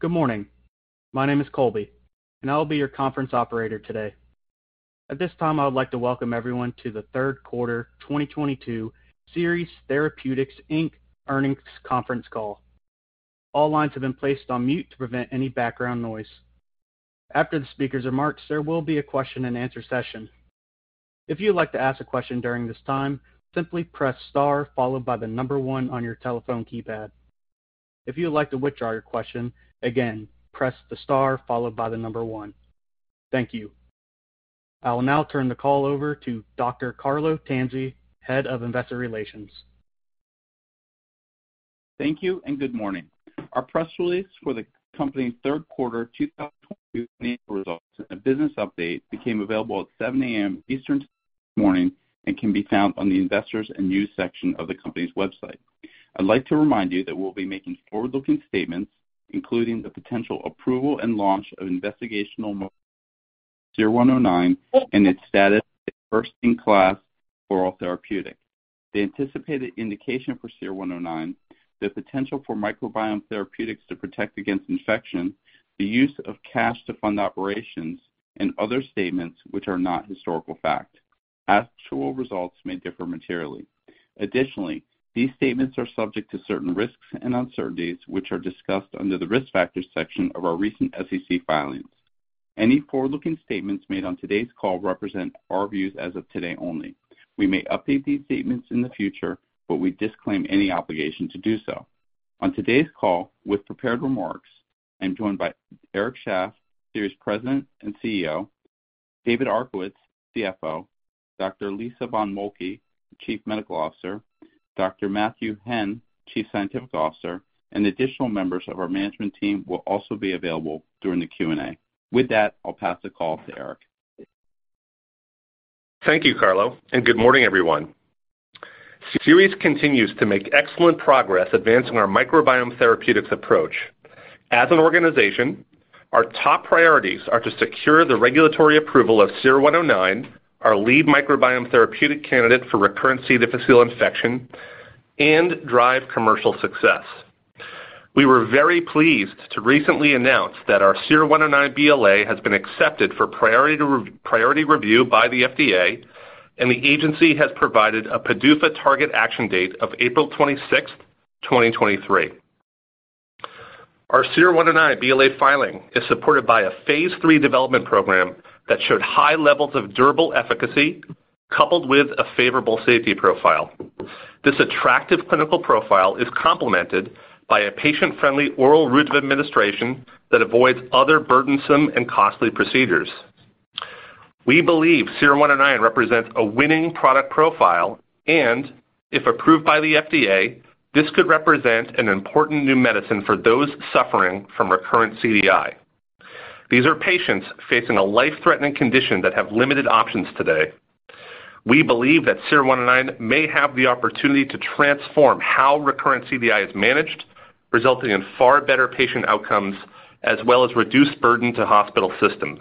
Good morning. My name is Colby, and I will be your conference operator today. At this time, I would like to welcome everyone to the third quarter 2022 Seres Therapeutics, Inc. earnings conference call. All lines have been placed on mute to prevent any background noise. After the speaker's remarks, there will be a question and answer session. If you'd like to ask a question during this time, simply press star followed by the number one on your telephone keypad. If you would like to withdraw your question, again, press the star followed by the number one. Thank you. I will now turn the call over to Dr. Carlo Tanzi, Head of Investor Relations. Thank you and good morning. Our press release for the company's third quarter 2022 financial results and a business update became available at 7:00 A.M. Eastern Time this morning and can be found on the investors and news section of the company's website. I'd like to remind you that we'll be making forward-looking statements, including the potential approval and launch of investigational SER-109 and its status as a first-in-class oral therapeutic. The anticipated indication for SER-109, the potential for microbiome therapeutics to protect against infection, the use of cash to fund operations and other statements which are not historical fact. Actual results may differ materially. Additionally, these statements are subject to certain risks and uncertainties which are discussed under the Risk Factors section of our recent SEC filings. Any forward-looking statements made on today's call represent our views as of today only. We may update these statements in the future, but we disclaim any obligation to do so. On today's call with prepared remarks, I'm joined by Eric Shaff, Seres President and CEO, David Arkowitz, CFO, Dr. Lisa von Moltke, Chief Medical Officer, Dr. Matthew Henn, Chief Scientific Officer, and additional members of our management team will also be available during the Q&A. With that, I'll pass the call to Eric. Thank you, Carlo, and good morning, everyone. Seres continues to make excellent progress advancing our microbiome therapeutics approach. As an organization, our top priorities are to secure the regulatory approval of SER-109, our lead microbiome therapeutic candidate for recurrent C. difficile infection and drive commercial success. We were very pleased to recently announce that our SER-109 BLA has been accepted for priority review by the FDA, and the agency has provided a PDUFA target action date of April 26, 2023. Our SER-109 BLA filing is supported by a phase III development program that showed high levels of durable efficacy coupled with a favorable safety profile. This attractive clinical profile is complemented by a patient-friendly oral route of administration that avoids other burdensome and costly procedures. We believe SER-109 represents a winning product profile, and if approved by the FDA, this could represent an important new medicine for those suffering from recurrent CDI. These are patients facing a life-threatening condition that have limited options today. We believe that SER-109 may have the opportunity to transform how recurrent CDI is managed, resulting in far better patient outcomes as well as reduced burden to hospital systems.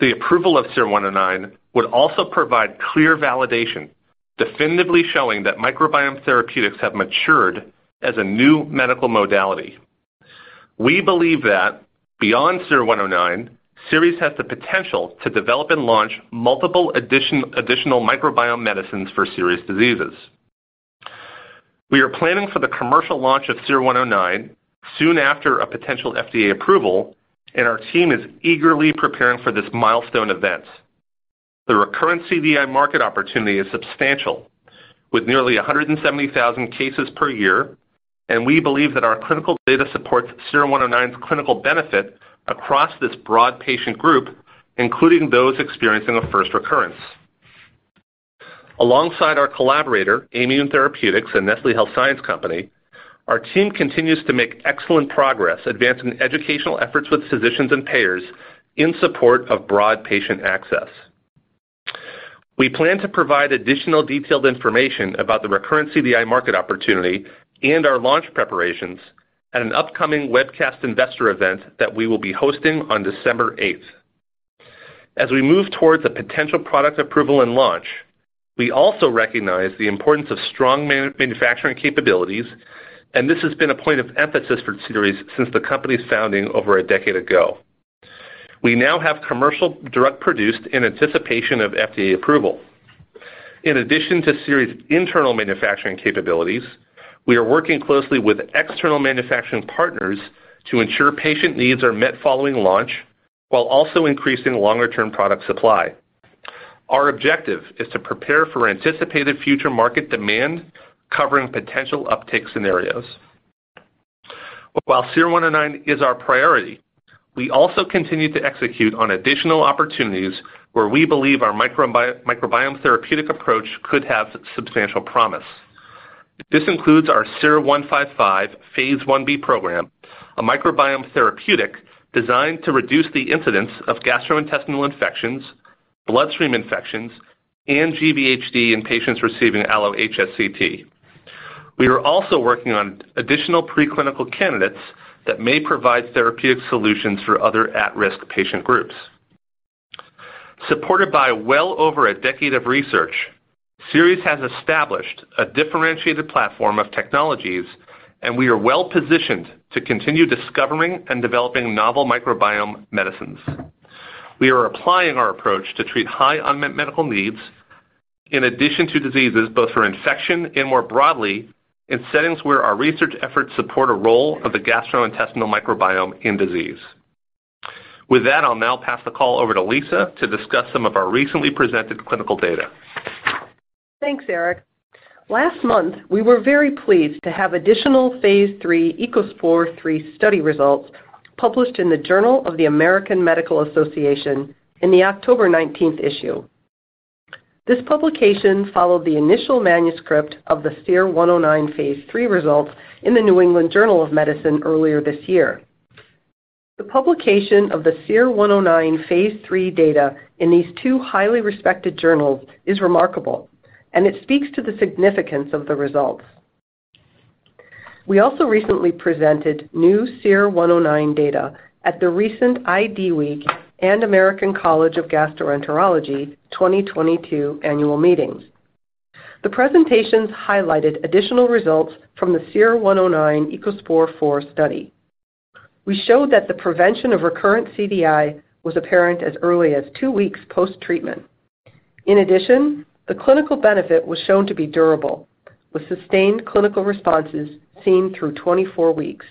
The approval of SER-109 would also provide clear validation, definitively showing that microbiome therapeutics have matured as a new medical modality. We believe that beyond SER-109, Seres has the potential to develop and launch multiple additional microbiome medicines for serious diseases. We are planning for the commercial launch of SER-109 soon after a potential FDA approval, and our team is eagerly preparing for this milestone event. The recurrent CDI market opportunity is substantial with nearly 170,000 cases per year, and we believe that our clinical data supports SER-109's clinical benefit across this broad patient group, including those experiencing a first recurrence. Alongside our collaborator, Aimmune Therapeutics, a Nestlé Health Science company, our team continues to make excellent progress advancing educational efforts with physicians and payers in support of broad patient access. We plan to provide additional detailed information about the recurrent CDI market opportunity and our launch preparations at an upcoming webcast investor event that we will be hosting on December 8. As we move towards a potential product approval and launch, we also recognize the importance of strong manufacturing capabilities, and this has been a point of emphasis for Seres since the company's founding over a decade ago. We now have commercial product produced in anticipation of FDA approval. In addition to Seres' internal manufacturing capabilities, we are working closely with external manufacturing partners to ensure patient needs are met following launch while also increasing longer-term product supply. Our objective is to prepare for anticipated future market demand, covering potential uptake scenarios. While SER-109 is our priority, we also continue to execute on additional opportunities where we believe our microbiome therapeutic approach could have substantial promise. This includes our SER-155 phase Ib program, a microbiome therapeutic designed to reduce the incidence of gastrointestinal infections, bloodstream infections, and GVHD in patients receiving allo-HSCT. We are also working on additional preclinical candidates that may provide therapeutic solutions for other at-risk patient groups. Supported by well over a decade of research, Seres has established a differentiated platform of technologies, and we are well-positioned to continue discovering and developing novel microbiome medicines. We are applying our approach to treat high unmet medical needs in addition to diseases, both for infection and more broadly in settings where our research efforts support a role of the gastrointestinal microbiome in disease. With that, I'll now pass the call over to Lisa to discuss some of our recently presented clinical data. Thanks, Eric. Last month, we were very pleased to have additional phase III ECOSPOR III study results published in the Journal of the American Medical Association in the October 19 issue. This publication followed the initial manuscript of the SER-109 phase III results in The New England Journal of Medicine earlier this year. The publication of the SER-109 phase III data in these two highly respected journals is remarkable, and it speaks to the significance of the results. We also recently presented new SER-109 data at the recent IDWeek and American College of Gastroenterology 2022 annual meetings. The presentations highlighted additional results from the SER-109 ECOSPOR IV study. We showed that the prevention of recurrent CDI was apparent as early as two weeks post-treatment. In addition, the clinical benefit was shown to be durable, with sustained clinical responses seen through 24 weeks.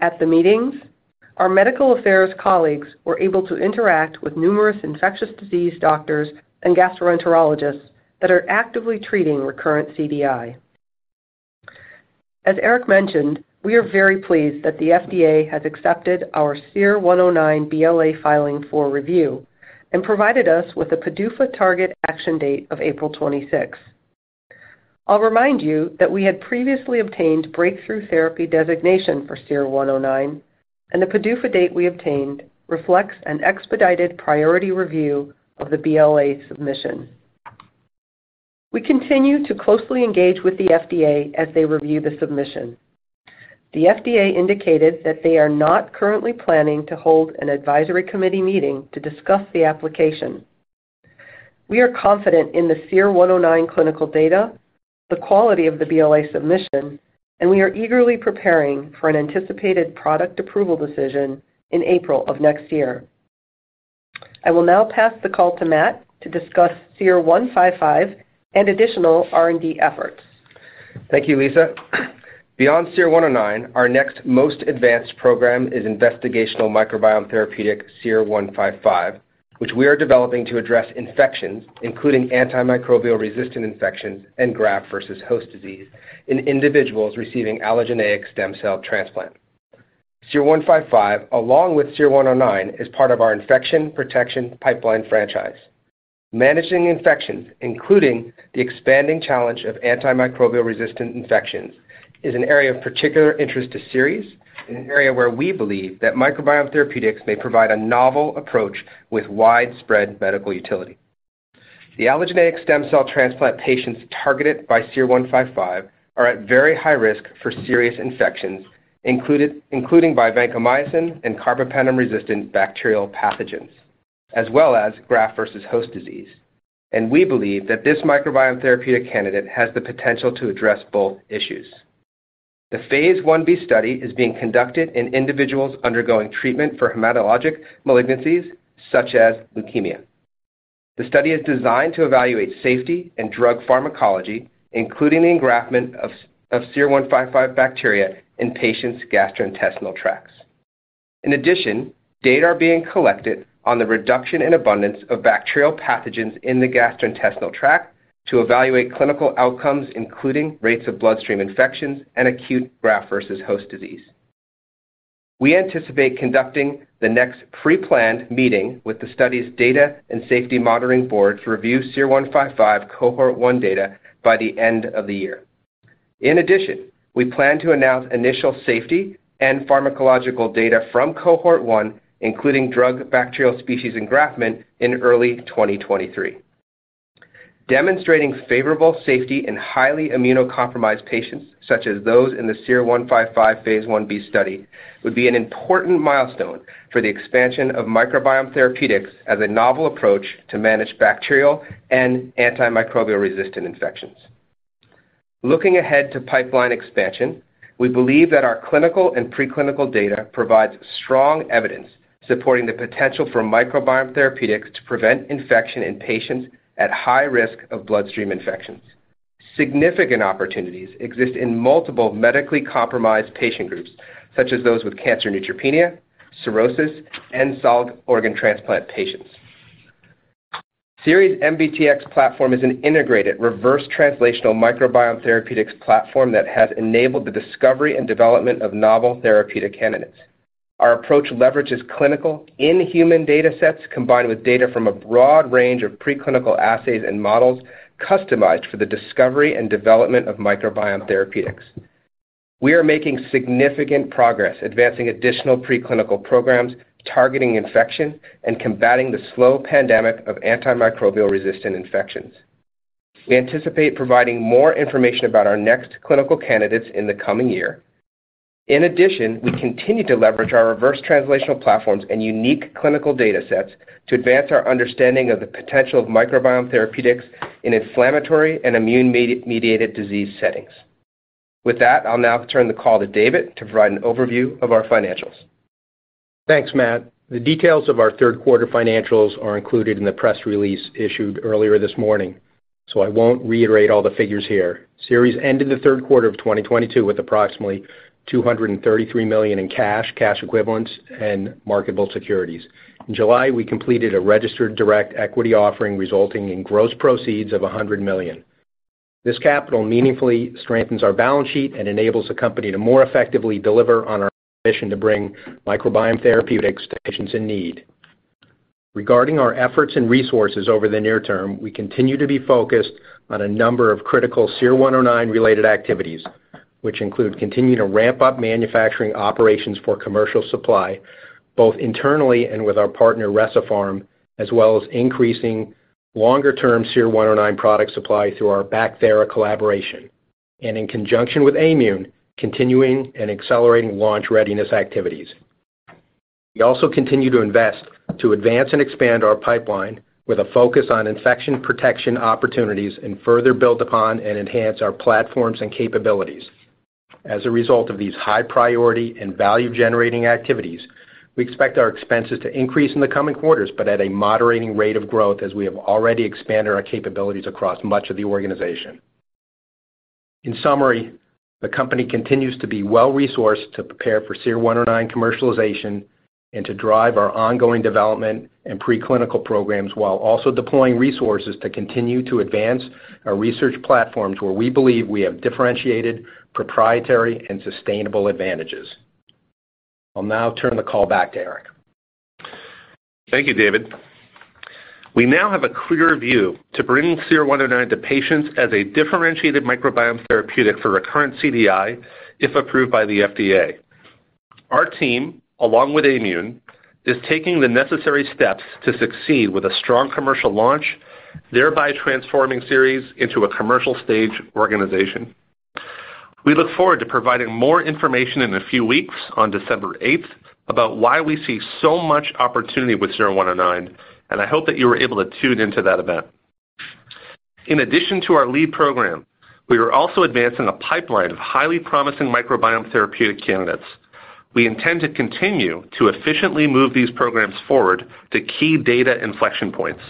At the meetings, our medical affairs colleagues were able to interact with numerous infectious disease doctors and gastroenterologists that are actively treating recurrent CDI. As Eric mentioned, we are very pleased that the FDA has accepted our SER-109 BLA filing for review and provided us with a PDUFA target action date of April twenty-sixth. I'll remind you that we had previously obtained breakthrough therapy designation for SER-109, and the PDUFA date we obtained reflects an expedited priority review of the BLA submission. We continue to closely engage with the FDA as they review the submission. The FDA indicated that they are not currently planning to hold an advisory committee meeting to discuss the application. We are confident in the SER-109 clinical data, the quality of the BLA submission, and we are eagerly preparing for an anticipated product approval decision in April of next year. I will now pass the call to Matt to discuss SER-155 and additional R&D efforts. Thank you, Lisa. Beyond SER-109, our next most advanced program is investigational microbiome therapeutic SER-155, which we are developing to address infections, including antimicrobial-resistant infections and graft versus host disease in individuals receiving allogeneic stem cell transplant. SER-155, along with SER-109, is part of our Infection Protection Pipeline franchise. Managing infections, including the expanding challenge of antimicrobial-resistant infections, is an area of particular interest to Seres and an area where we believe that microbiome therapeutics may provide a novel approach with widespread medical utility. The allogeneic stem cell transplant patients targeted by SER-155 are at very high risk for serious infections, including by vancomycin and carbapenem-resistant bacterial pathogens, as well as graft versus host disease. We believe that this microbiome therapeutic candidate has the potential to address both issues. The phase Ib study is being conducted in individuals undergoing treatment for hematologic malignancies, such as leukemia. The study is designed to evaluate safety and drug pharmacology, including the engraftment of SER-155 bacteria in patients' gastrointestinal tracts. In addition, data are being collected on the reduction in abundance of bacterial pathogens in the gastrointestinal tract to evaluate clinical outcomes, including rates of bloodstream infections and acute graft versus host disease. We anticipate conducting the next pre-planned meeting with the study's data and safety monitoring board to review SER-155 Cohort 1 data by the end of the year. In addition, we plan to announce initial safety and pharmacological data from Cohort 1, including drug bacterial species engraftment, in early 2023. Demonstrating favorable safety in highly immunocompromised patients, such as those in the SER-155 phase Ib study, would be an important milestone for the expansion of microbiome therapeutics as a novel approach to manage bacterial and antimicrobial-resistant infections. Looking ahead to pipeline expansion, we believe that our clinical and preclinical data provides strong evidence supporting the potential for microbiome therapeutics to prevent infection in patients at high risk of bloodstream infections. Significant opportunities exist in multiple medically compromised patient groups, such as those with cancer neutropenia, cirrhosis, and solid organ transplant patients. Seres' MbTx platform is an integrated reverse translational microbiome therapeutics platform that has enabled the discovery and development of novel therapeutic candidates. Our approach leverages clinical in-human data sets combined with data from a broad range of preclinical assays and models customized for the discovery and development of microbiome therapeutics. We are making significant progress advancing additional preclinical programs targeting infection and combating the slow pandemic of antimicrobial-resistant infections. We anticipate providing more information about our next clinical candidates in the coming year. In addition, we continue to leverage our reverse translational platforms and unique clinical data sets to advance our understanding of the potential of microbiome therapeutics in inflammatory and immune-mediated disease settings. With that, I'll now turn the call to David to provide an overview of our financials. Thanks, Matt. The details of our third quarter financials are included in the press release issued earlier this morning, so I won't reiterate all the figures here. Seres ended the third quarter of 2022 with approximately $233 million in cash equivalents, and marketable securities. In July, we completed a registered direct equity offering resulting in gross proceeds of $100 million. This capital meaningfully strengthens our balance sheet and enables the company to more effectively deliver on our mission to bring microbiome therapeutics to patients in need. Regarding our efforts and resources over the near term, we continue to be focused on a number of critical SER-109 related activities, which include continuing to ramp up manufacturing operations for commercial supply, both internally and with our partner Recipharm, as well as increasing longer-term SER-109 product supply through our Bacthera collaboration. In conjunction with Aimmune, continuing and accelerating launch readiness activities. We also continue to invest to advance and expand our pipeline with a focus on infection protection opportunities and further build upon and enhance our platforms and capabilities. As a result of these high priority and value-generating activities, we expect our expenses to increase in the coming quarters, but at a moderating rate of growth, as we have already expanded our capabilities across much of the organization. In summary, the company continues to be well-resourced to prepare for SER-109 commercialization and to drive our ongoing development and preclinical programs, while also deploying resources to continue to advance our research platforms where we believe we have differentiated proprietary and sustainable advantages. I'll now turn the call back to Eric. Thank you, David. We now have a clear view to bringing SER-109 to patients as a differentiated microbiome therapeutic for recurrent CDI, if approved by the FDA. Our team, along with Aimmune, is taking the necessary steps to succeed with a strong commercial launch, thereby transforming Seres into a commercial stage organization. We look forward to providing more information in a few weeks on December eighth about why we see so much opportunity with SER-109, and I hope that you were able to tune into that event. In addition to our lead program, we are also advancing a pipeline of highly promising microbiome therapeutic candidates. We intend to continue to efficiently move these programs forward to key data inflection points.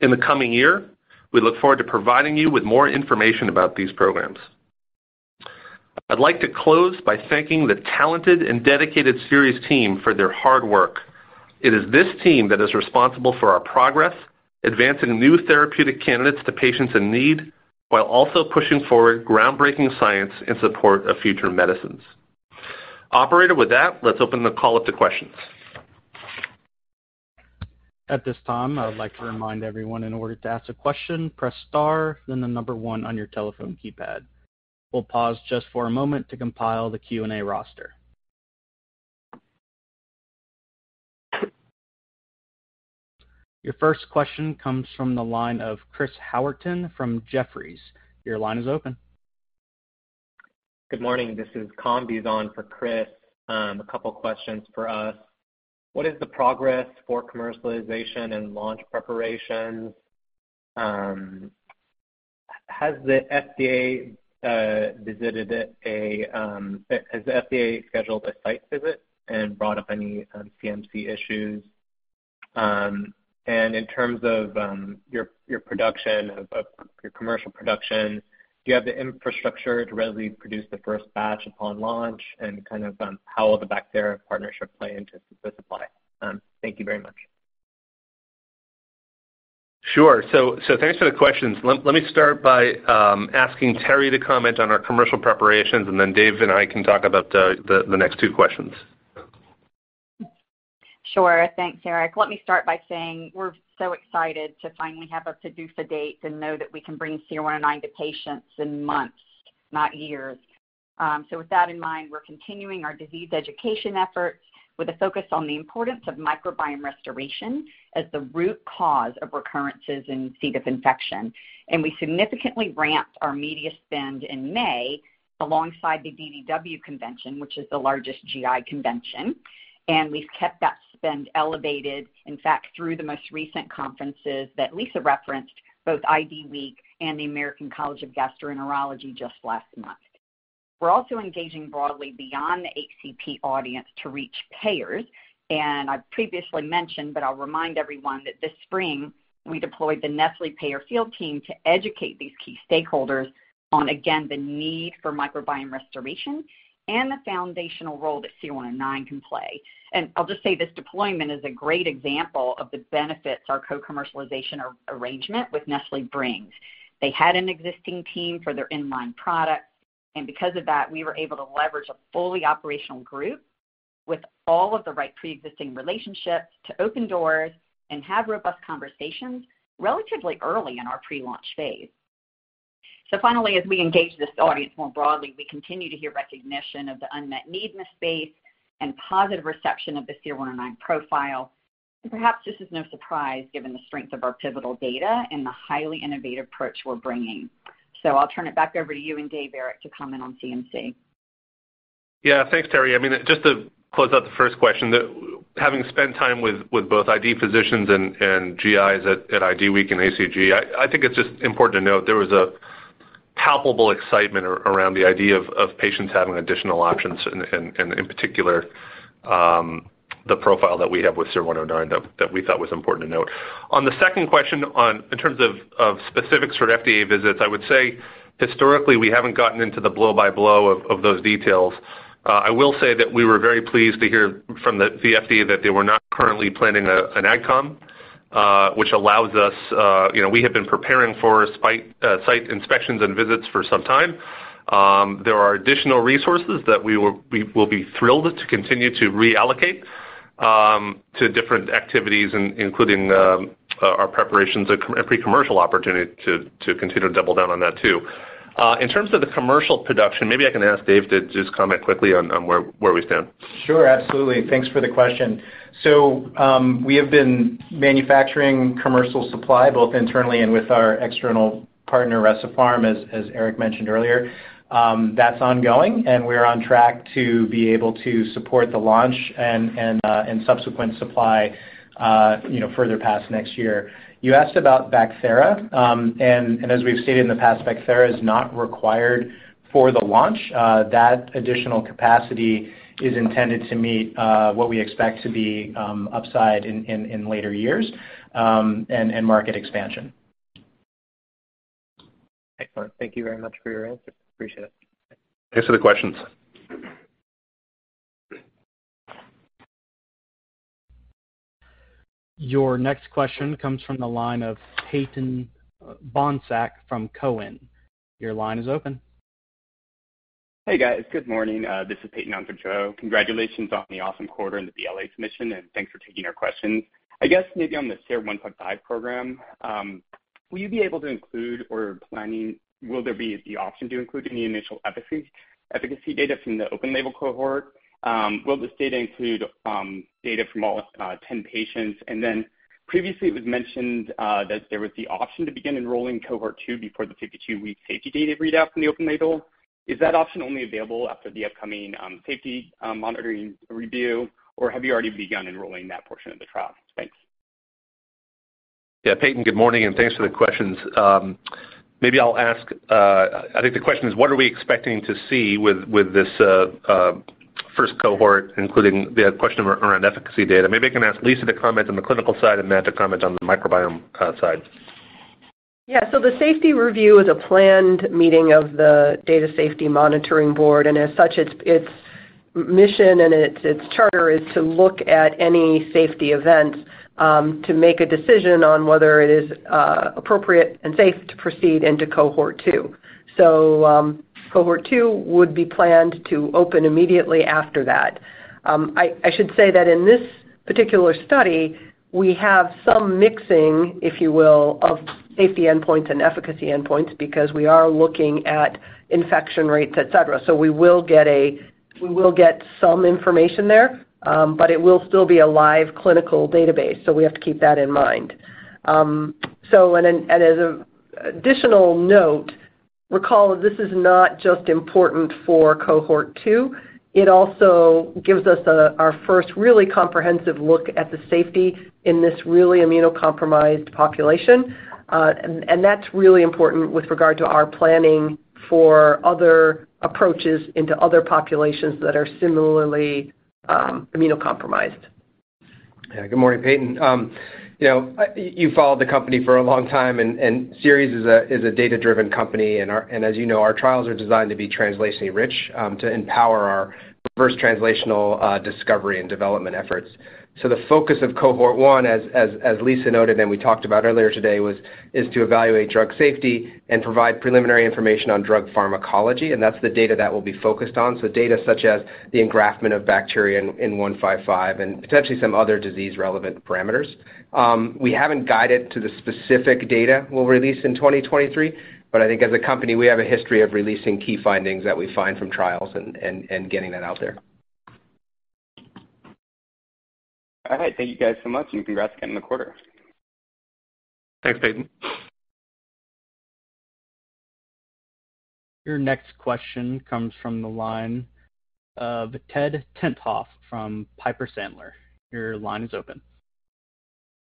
In the coming year, we look forward to providing you with more information about these programs. I'd like to close by thanking the talented and dedicated Seres team for their hard work. It is this team that is responsible for our progress, advancing new therapeutic candidates to patients in need, while also pushing forward groundbreaking science in support of future medicines. Operator, with that, let's open the call up to questions. At this time, I would like to remind everyone in order to ask a question, press star, then the number one on your telephone keypad. We'll pause just for a moment to compile the Q&A roster. Your first question comes from the line of Chris Howerton from Jefferies. Your line is open. Good morning. This is Kam Bizhan for Chris. A couple of questions for us. What is the progress for commercialization and launch preparations? Has the FDA scheduled a site visit and brought up any CMC issues? In terms of your production of your commercial production, do you have the infrastructure to readily produce the first batch upon launch and kind of how will the Bacthera partnership play into the supply? Thank you very much. Sure. Thanks for the questions. Let me start by asking Terri to comment on our commercial preparations, and then Dave and I can talk about the next two questions. Sure. Thanks, Eric. Let me start by saying we're so excited to finally have a PDUFA date and know that we can bring SER-109 to patients in months, not years. With that in mind, we're continuing our disease education efforts with a focus on the importance of microbiome restoration as the root cause of recurrences in C. diff infection. We significantly ramped our media spend in May alongside the DDW convention, which is the largest GI convention. We've kept that spend elevated, in fact, through the most recent conferences that Lisa referenced, both IDWeek and the American College of Gastroenterology just last month. We're also engaging broadly beyond the ACP audience to reach payers. I previously mentioned, but I'll remind everyone that this spring, we deployed the Nestlé payer field team to educate these key stakeholders on, again, the need for microbiome restoration and the foundational role that SER-109 can play. I'll just say this deployment is a great example of the benefits our co-commercialization arrangement with Nestlé brings. They had an existing team for their in-line product. Because of that, we were able to leverage a fully operational group with all of the right pre-existing relationships to open doors and have robust conversations relatively early in our pre-launch phase. Finally, as we engage this audience more broadly, we continue to hear recognition of the unmet need in this space and positive reception of the SER-109 profile. Perhaps this is no surprise given the strength of our pivotal data and the highly innovative approach we're bringing. I'll turn it back over to you and Dave, Eric, to comment on CMC. Yeah. Thanks, Terri. I mean, just to close out the first question, having spent time with both ID physicians and GIs at IDWeek and ACG, I think it's just important to note there was a palpable excitement around the idea of patients having additional options and in particular, the profile that we have with SER-109 that we thought was important to note. On the second question, in terms of specifics for FDA visits, I would say historically we haven't gotten into the blow by blow of those details. I will say that we were very pleased to hear from the FDA that they were not currently planning an AdCom, which allows us, you know, we have been preparing for site inspections and visits for some time. There are additional resources that we will be thrilled to continue to reallocate to different activities including our preparations and pre-commercial opportunity to continue to double down on that too. In terms of the commercial production, maybe I can ask Dave to just comment quickly on where we stand. Sure. Absolutely. Thanks for the question. We have been manufacturing commercial supply both internally and with our external partner, Recipharm, as Eric mentioned earlier. That's ongoing, and we're on track to be able to support the launch and subsequent supply, you know, further past next year. You asked about Bacthera. As we've stated in the past, Bacthera is not required for the launch. That additional capacity is intended to meet what we expect to be upside in later years and market expansion. Excellent. Thank you very much for your answers. Appreciate it. Thanks for the questions. Your next question comes from the line of Peyton Bohnsack from Cowen. Your line is open. Hey, guys. Good morning. This is Peyton Bohnsack. Congratulations on the awesome quarter and the BLA submission, and thanks for taking our questions. I guess maybe on the SER-155 program, will there be the option to include any initial efficacy data from the open label cohort? Will this data include data from all 10 patients? Previously it was mentioned that there was the option to begin enrolling Cohort 2 before the 52-week safety data readout from the open label. Is that option only available after the upcoming safety monitoring review, or have you already begun enrolling that portion of the trial? Thanks. Yeah, Peyton, good morning, and thanks for the questions. Maybe I'll ask. I think the question is what are we expecting to see with this first cohort, including the question around efficacy data. Maybe I can ask Lisa to comment on the clinical side and Matt to comment on the microbiome side. Yeah. The safety review is a planned meeting of the data safety monitoring board, and as such, its mission and its charter is to look at any safety events, to make a decision on whether it is appropriate and safe to proceed into cohort two. Cohort two would be planned to open immediately after that. I should say that in this particular study, we have some mixing, if you will, of safety endpoints and efficacy endpoints because we are looking at infection rates, et cetera. We will get some information there, but it will still be a live clinical database, so we have to keep that in mind. As an additional note, recall this is not just important for cohort two, it also gives us our first really comprehensive look at the safety in this really immunocompromised population, and that's really important with regard to our planning for other approaches into other populations that are similarly immunocompromised. Yeah. Good morning, Peyton. You know, you followed the company for a long time and Seres is a data-driven company and as you know, our trials are designed to be translationally rich, to empower our first translational discovery and development efforts. The focus of cohort one, as Lisa noted and we talked about earlier today, is to evaluate drug safety and provide preliminary information on drug pharmacology, and that's the data that we'll be focused on. Data such as the engraftment of bacteria in SER-155 and potentially some other disease relevant parameters. We haven't guided to the specific data we'll release in 2023, but I think as a company, we have a history of releasing key findings that we find from trials and getting that out there. All right. Thank you guys so much, and congrats again on the quarter. Thanks, Peyton. Your next question comes from the line of Ted Tenthoff from Piper Sandler. Your line is open.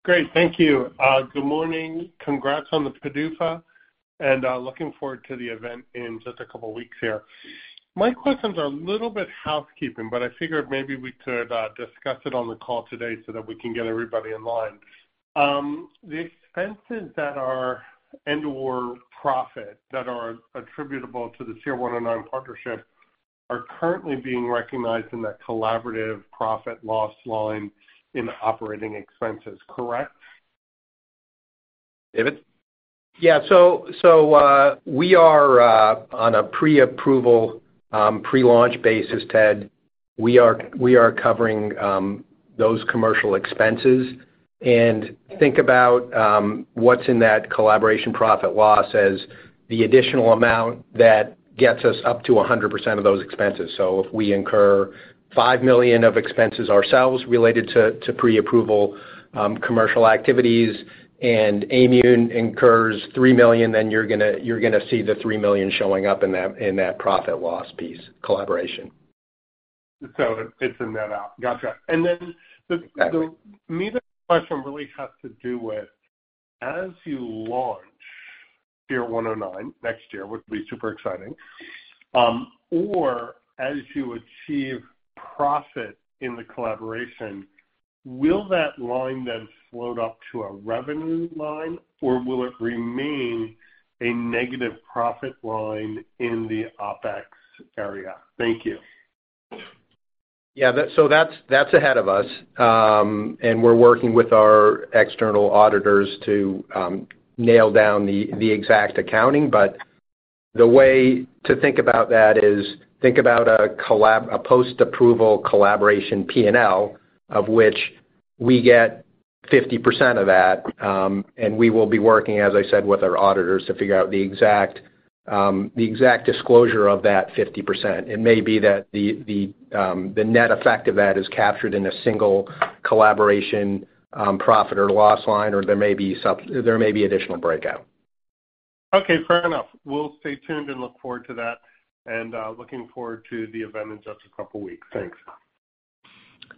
Great. Thank you. Good morning. Congrats on the PDUFA, and looking forward to the event in just a couple weeks here. My questions are a little bit housekeeping, but I figured maybe we could discuss it on the call today so that we can get everybody in line. The expenses that are and/or profit that are attributable to the SER-109 partnership are currently being recognized in that collaboration profit/loss line in operating expenses, correct? David? We are On a pre-approval, pre-launch basis, Ted, we are covering those commercial expenses. Think about what's in that collaboration profit loss as the additional amount that gets us up to 100% of those expenses. If we incur $5 million of expenses ourselves related to pre-approval commercial activities and Aimmune incurs $3 million, then you're gonna see the $3 million showing up in that profit loss piece collaboration. It's in that app. Gotcha. Exactly. My question really has to do with as you launch SER-109 next year, which will be super exciting, or as you achieve profit in the collaboration, will that line then float up to a revenue line, or will it remain a negative profit line in the OpEx area? Thank you. That's ahead of us. We're working with our external auditors to nail down the exact accounting. The way to think about that is, think about a post-approval collaboration P&L of which we get 50% of that, and we will be working, as I said, with our auditors to figure out the exact disclosure of that 50%. It may be that the net effect of that is captured in a single collaboration profit or loss line, or there may be additional breakout. Okay, fair enough. We'll stay tuned and look forward to that, and, looking forward to the event in just a couple of weeks. Thanks.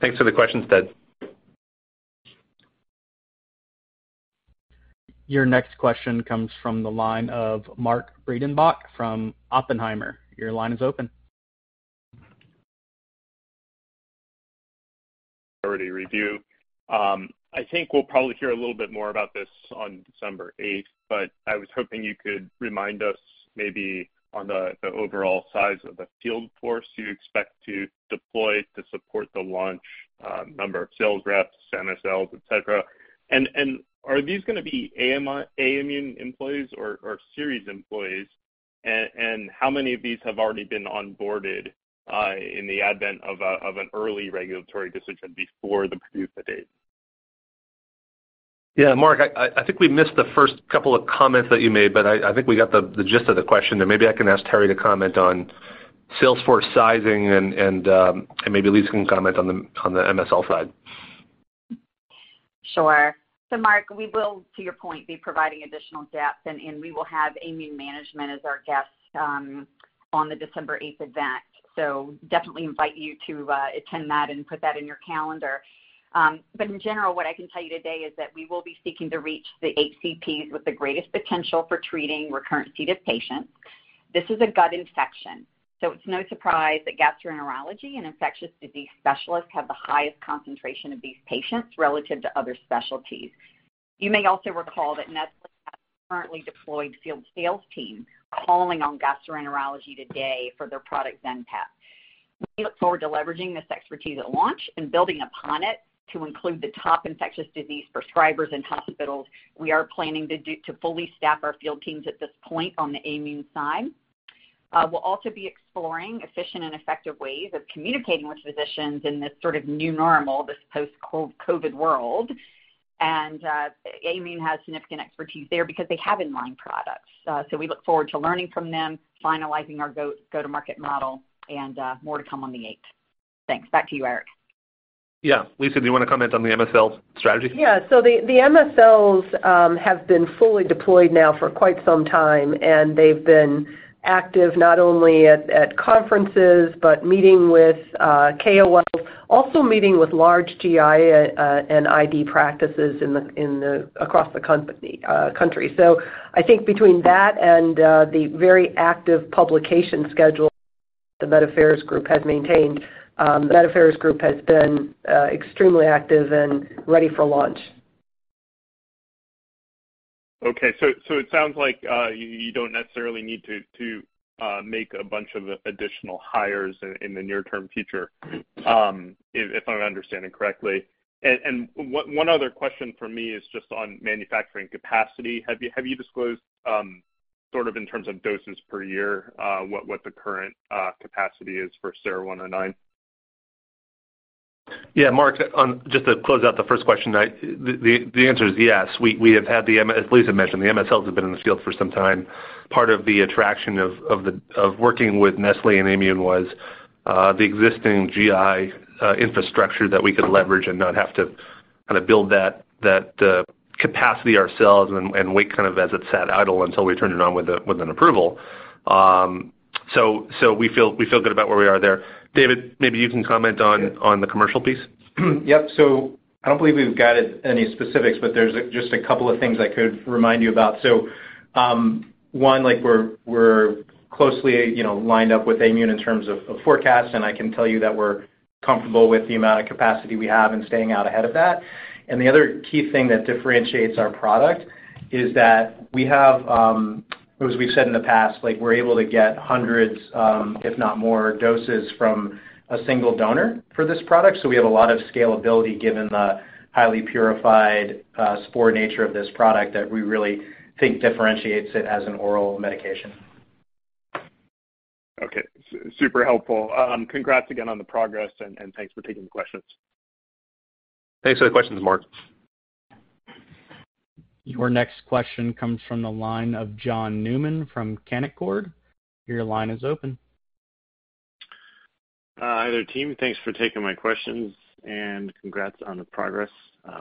Thanks for the question, Ted. Your next question comes from the line of Mark Breidenbach from Oppenheimer. Your line is open. I think we'll probably hear a little bit more about this on December eighth, but I was hoping you could remind us maybe on the overall size of the field force you expect to deploy to support the launch, number of sales reps, MSLs, et cetera. Are these gonna be Aimmune employees or Seres employees? How many of these have already been onboarded in the advent of an early regulatory decision before the PDUFA date? Yeah, Mark, I think we missed the first couple of comments that you made, but I think we got the gist of the question. Maybe I can ask Terri to comment on sales force sizing, and maybe Lisa can comment on the MSL side. Sure. Mark, we will, to your point, be providing additional depth, and we will have Aimmune management as our guests, on the December eighth event. Definitely invite you to attend that and put that in your calendar. In general, what I can tell you today is that we will be seeking to reach the HCPs with the greatest potential for treating recurrent C. diff patients. This is a gut infection, so it's no surprise that gastroenterology and infectious disease specialists have the highest concentration of these patients relative to other specialties. You may also recall that Nestlé has currently deployed field sales team calling on gastroenterology today for their product Zenpep. We look forward to leveraging this expertise at launch and building upon it to include the top infectious disease prescribers in hospitals. We are planning to fully staff our field teams at this point on the Aimmune side. We'll also be exploring efficient and effective ways of communicating with physicians in this sort of new normal, this post-COVID world. Aimmune has significant expertise there because they have in line products. We look forward to learning from them, finalizing our go-to-market model, and more to come on the eighth. Thanks. Back to you, Eric. Yeah. Lisa, do you wanna comment on the MSL strategy? Yeah. The MSLs have been fully deployed now for quite some time, and they've been active not only at conferences, but meeting with KOLs, also meeting with large GI and ID practices across the country. I think between that and the very active publication schedule the Med Affairs group has maintained, the Med Affairs group has been extremely active and ready for launch. Okay. It sounds like you don't necessarily need to make a bunch of additional hires in the near-term future, if I'm understanding correctly. One other question from me is just on manufacturing capacity. Have you disclosed sort of in terms of doses per year what the current capacity is for SER-109? Yeah, Mark. Just to close out the first question, the answer is yes. We have had the MSLs in the field for some time, as Lisa mentioned. Part of the attraction of working with Nestlé and Aimmune was the existing GI infrastructure that we could leverage and not have to kinda build that capacity ourselves and wait kind of as it sat idle until we turned it on with an approval. So we feel good about where we are there. David, maybe you can comment on- Yeah. On the commercial piece. Yep. I don't believe we've guided any specifics, but there's just a couple of things I could remind you about. One, like we're closely, you know, lined up with Aimmune in terms of forecast, and I can tell you that we're comfortable with the amount of capacity we have in staying out ahead of that. The other key thing that differentiates our product is that we have, as we've said in the past, like we're able to get hundreds, if not more doses from a single donor for this product. We have a lot of scalability given the highly purified spore nature of this product that we really think differentiates it as an oral medication. Okay. Super helpful. Congrats again on the progress and thanks for taking the questions. Thanks for the questions, Mark. Your next question comes from the line of John Newman from Canaccord. Your line is open. Hi there, team. Thanks for taking my questions and congrats on the progress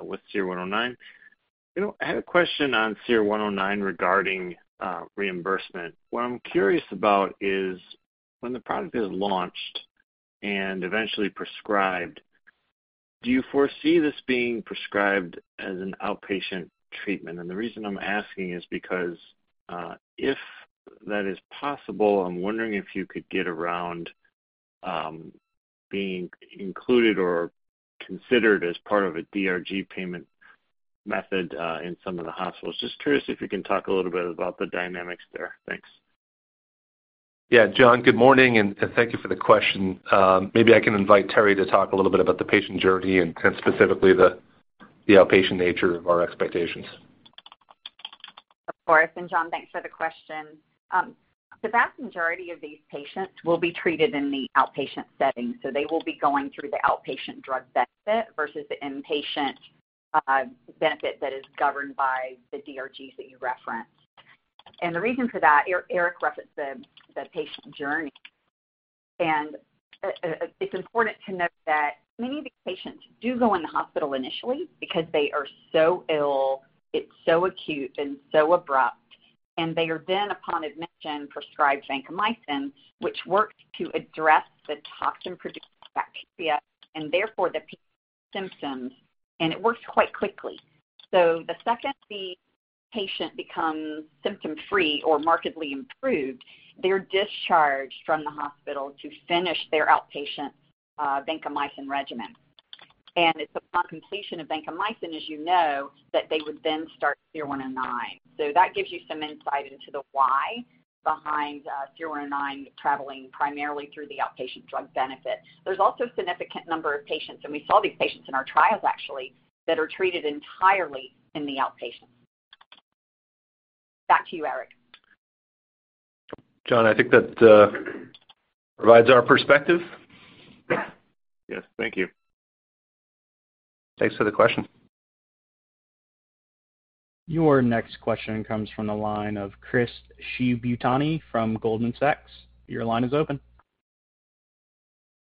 with SER-109. You know, I had a question on SER-109 regarding reimbursement. What I'm curious about is when the product is launched and eventually prescribed, do you foresee this being prescribed as an outpatient treatment? The reason I'm asking is because if that is possible, I'm wondering if you could get around being included or considered as part of a DRG payment method in some of the hospitals. Just curious if you can talk a little bit about the dynamics there. Thanks. Yeah. John, good morning, and thank you for the question. Maybe I can invite Terri to talk a little bit about the patient journey and specifically the outpatient nature of our expectations. Of course. John, thanks for the question. The vast majority of these patients will be treated in the outpatient setting, so they will be going through the outpatient drug benefit versus the inpatient benefit that is governed by the DRGs that you referenced. The reason for that, Eric referenced the patient journey. It's important to note that many of the patients do go in the hospital initially because they are so ill, it's so acute and so abrupt, and they are then upon admission prescribed vancomycin, which works to address the toxin-producing bacteria and therefore the symptoms, and it works quite quickly. The second the patient becomes symptom-free or markedly improved, they're discharged from the hospital to finish their outpatient vancomycin regimen. It's upon completion of vancomycin, as you know, that they would then start SER-109. That gives you some insight into the why behind SER-109 traveling primarily through the outpatient drug benefit. There's also a significant number of patients, and we saw these patients in our trials actually, that are treated entirely in the outpatient. Back to you, Eric. John, I think that provides our perspective. Yes. Thank you. Thanks for the question. Your next question comes from the line of Chris Shibutani from Goldman Sachs. Your line is open.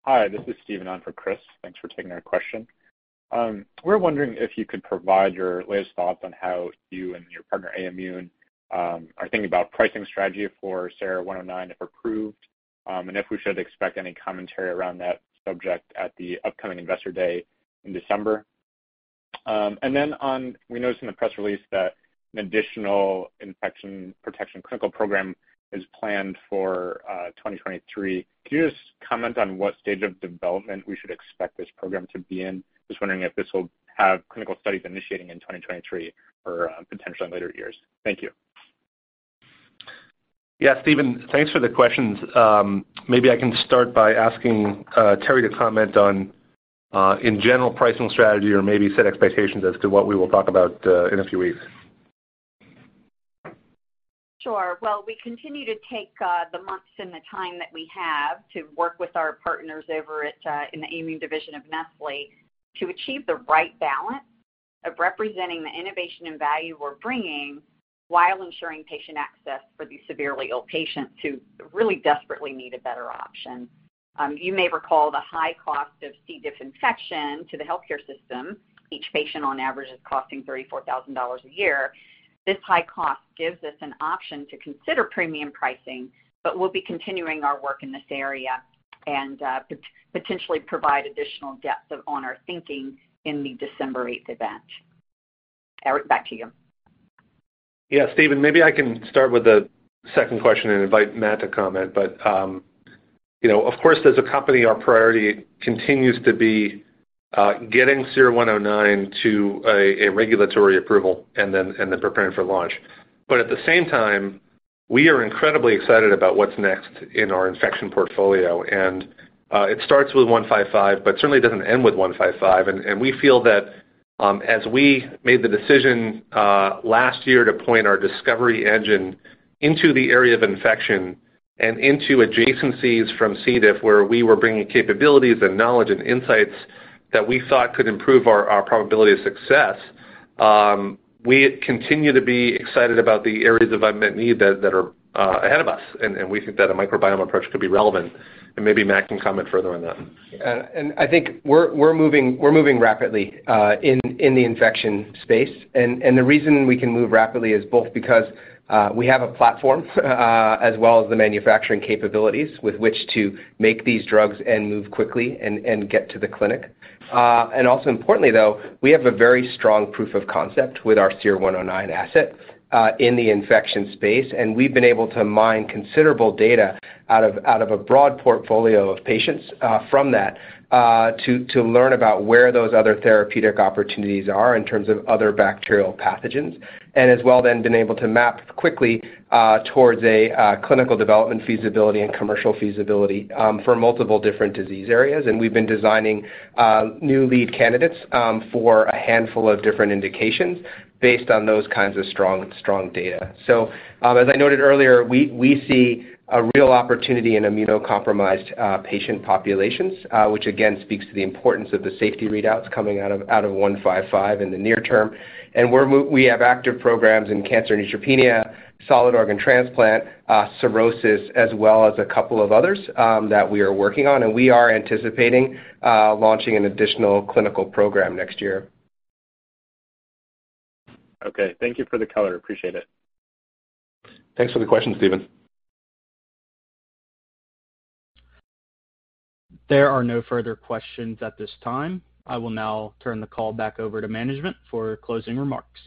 Hi, this is Steven on for Chris. Thanks for taking our question. We're wondering if you could provide your latest thoughts on how you and your partner Aimmune are thinking about pricing strategy for SER-109 if approved, and if we should expect any commentary around that subject at the upcoming Investor Day in December. We noticed in the press release that an additional infection protection clinical program is planned for 2023. Can you just comment on what stage of development we should expect this program to be in? Just wondering if this will have clinical studies initiating in 2023 or potentially in later years. Thank you. Yeah. Steven, thanks for the questions. Maybe I can start by asking Terri to comment on in general pricing strategy or maybe set expectations as to what we will talk about in a few weeks. Sure. Well, we continue to take the months and the time that we have to work with our partners over at in the Aimmune division of Nestlé to achieve the right balance of representing the innovation and value we're bringing while ensuring patient access for these severely ill patients who really desperately need a better option. You may recall the high cost of C. diff infection to the healthcare system. Each patient on average is costing $34,000 a year. This high cost gives us an option to consider premium pricing, but we'll be continuing our work in this area and potentially provide additional depth on our thinking in the December eighth event. Eric, back to you. Yeah. Steven, maybe I can start with the second question and invite Matt to comment. You know, of course, as a company, our priority continues to be getting SER-109 to a regulatory approval and then preparing for launch. At the same time, we are incredibly excited about what's next in our infection portfolio. It starts with SER-155, but certainly doesn't end with SER-155. We feel that, as we made the decision last year to point our discovery engine into the area of infection and into adjacencies from C. diff, where we were bringing capabilities and knowledge and insights that we thought could improve our probability of success, we continue to be excited about the areas of unmet need that are ahead of us. We think that a microbiome approach could be relevant. Maybe Matt can comment further on that. I think we're moving rapidly in the infection space. The reason we can move rapidly is both because we have a platform as well as the manufacturing capabilities with which to make these drugs and move quickly and get to the clinic. Importantly, though, we have a very strong proof of concept with our SER-109 asset in the infection space, and we've been able to mine considerable data out of a broad portfolio of patients from that to learn about where those other therapeutic opportunities are in terms of other bacterial pathogens. As well then been able to map quickly towards a clinical development feasibility and commercial feasibility for multiple different disease areas. We've been designing new lead candidates for a handful of different indications based on those kinds of strong data. As I noted earlier, we see a real opportunity in immunocompromised patient populations, which again speaks to the importance of the safety readouts coming out of SER-155 in the near term. We have active programs in cancer neutropenia, solid organ transplant, cirrhosis, as well as a couple of others that we are working on. We are anticipating launching an additional clinical program next year. Okay. Thank you for the color. Appreciate it. Thanks for the question, Steven. There are no further questions at this time. I will now turn the call back over to management for closing remarks.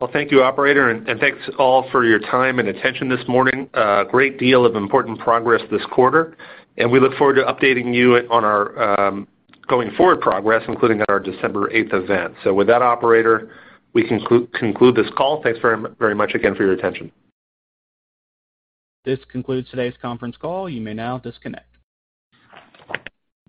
Well, thank you, operator, and thanks all for your time and attention this morning. A great deal of important progress this quarter, and we look forward to updating you on our going-forward progress, including at our December eighth event. With that operator, we conclude this call. Thanks very much again for your attention. This concludes today's conference call. You may now disconnect.